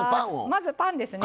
まずパンですね。